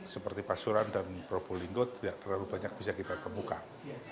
seperti pasuran dan probolinggo tidak terlalu banyak bisa kita temukan